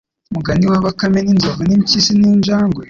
mugani wa Bakame n Inzovu n'Impyisi n Injangwe